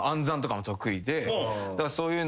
そういうのが。